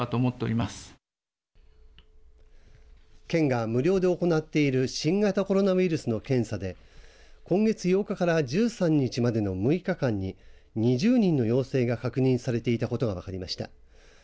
県が無料で行っている新型コロナウイルスの検査で今月８日から１３日までの６日間に２０人の陽性が確認されていたことが分かりました。